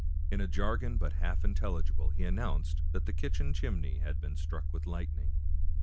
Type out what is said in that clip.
In a jargon but half intelligible he announced that the kitchen chimney had been struck with lightning.